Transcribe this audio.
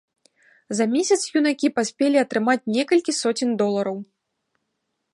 За месяц юнакі паспелі атрымаць некалькі соцень долараў.